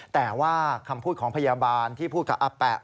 แต่ว่าคำพูดของพยาบาลที่พูดกับอาแปะ